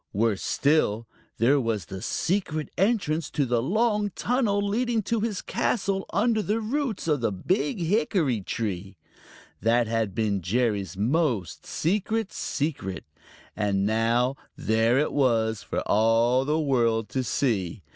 Worse still, there was the secret entrance to the long tunnel leading to his castle under the roots of the Big Hickory tree. That had been Jerry's most secret secret, and now there it was for all the world to see.